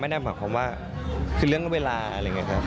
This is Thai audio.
นั่นหมายความว่าคือเรื่องเวลาอะไรอย่างนี้ครับ